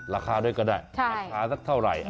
ราคาได้ก็ได้ราคาได้เท่าใหร่